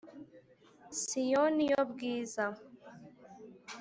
Siyoni yo bwiza